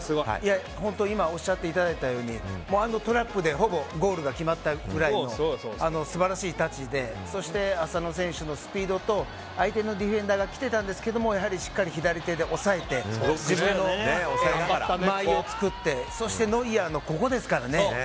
本当に今おっしゃっていただいたようにあのトラップでほぼゴールが決まったぐらいの素晴らしいタッチでそして、浅野選手のスピードと相手のディフェンダーが来てたんですけどやはりしっかり左手で押さえて自分の間合いを作ってそして、ノイアーのここですから。